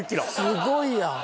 すごいやん。